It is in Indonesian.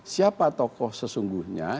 siapa tokoh sesungguhnya